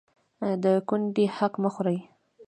د کونډې حق مه خورئ